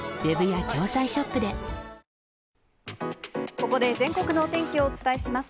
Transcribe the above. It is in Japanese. ここで全国のお天気をお伝えします。